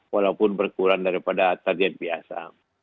walaupun berkurang daripada target biasa